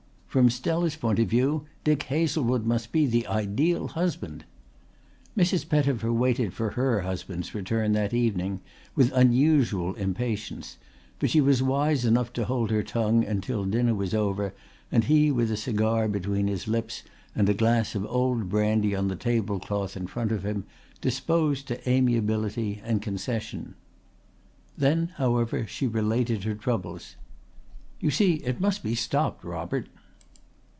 From Stella's point of view Dick Hazlewood must be the ideal husband. Mrs. Pettifer waited for her husband's return that evening with unusual impatience, but she was wise enough to hold her tongue until dinner was over and he with a cigar between his lips and a glass of old brandy on the table cloth in front of him, disposed to amiability and concession. Then, however, she related her troubles. "You see it must be stopped, Robert."